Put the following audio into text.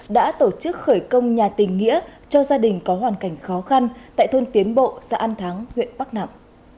đã tổ chức khởi công nhà tình nghĩa cho gia đình có hoàn cảnh khó khăn tại thôn tiến bộ xã an thắng huyện bắc nẵm